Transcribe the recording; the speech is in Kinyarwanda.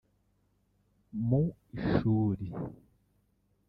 mu ishuri